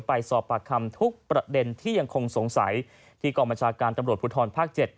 ไปสอบปากคำทุกประเด็นที่ยังคงสงสัยที่กรรมจากการตำรวจพุทธศักดิ์ภาค๗